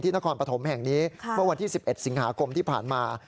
นครปฐมแห่งนี้เมื่อวันที่๑๑สิงหาคมที่ผ่านมา